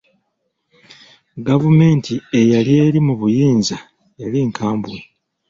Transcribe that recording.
Gavumenti eyali eri mu buyinza yali nkambwe.